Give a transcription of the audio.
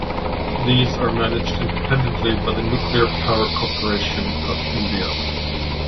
These are managed independently by the Nuclear Power Corporation of India.